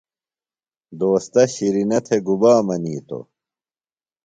دوستہ شِرینہ تھےۡ گُبا منِیتوۡ ؟